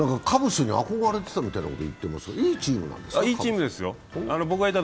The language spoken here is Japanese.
カブスに憧れてたみたいなことを言っていましたが、いいチームなんですか。